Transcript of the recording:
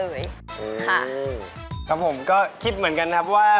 อืมครับคุณพี่ฉันคิดเหมือนกันครับว่า